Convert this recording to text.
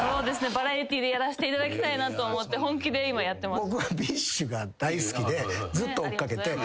バラエティーでやらせていただきたいと思って本気で今やってます。